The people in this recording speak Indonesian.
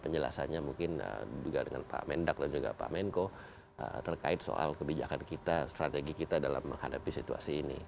penjelasannya mungkin juga dengan pak mendak dan juga pak menko terkait soal kebijakan kita strategi kita dalam menghadapi situasi ini